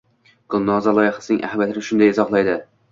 Gulnoza loyihasining ahamiyatini shunday izohlaydi: